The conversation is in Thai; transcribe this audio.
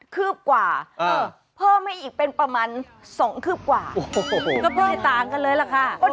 คืบกว่าเพิ่มให้อีกเป็นประมาณ๒คืบกว่าก็เพื่อให้ต่างกันเลยล่ะค่ะ